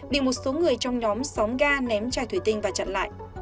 bị một số người trong nhóm sóng ga ném chai thủy tinh và chặn lại